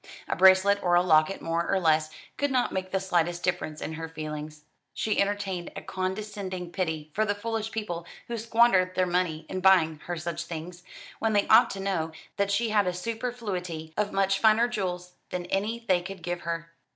A bracelet or a locket more or less could not make the slightest difference in her feelings. She entertained a condescending pity for the foolish people who squandered their money in buying her such things, when they ought to know that she had a superfluity of much finer jewels than any they could give her.